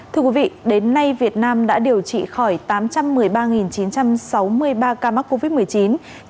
thưa quý vị đến nay việt nam đã điều trị khỏi tám trăm một mươi ba chín trăm sáu mươi ba ca mắc covid một mươi chín